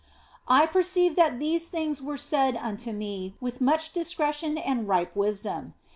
I perceived that these things were said unto me with much discretion and ripe wisdom.